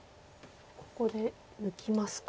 ここで抜きますか？